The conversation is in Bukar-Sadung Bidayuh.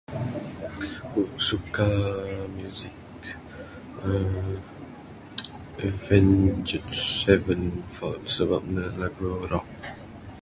Ku suka music emm.. Avenged Sevenfold sebab ne lagu rock.